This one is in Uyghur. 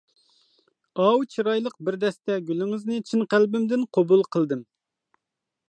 ئاۋۇ چىرايلىق بىر دەستە گۈلىڭىزنى چىن قەلبىمدىن قوبۇل قىلدىم.